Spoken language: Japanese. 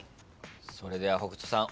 それでは北斗さん